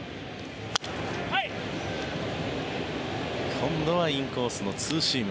今度はインコースのツーシーム。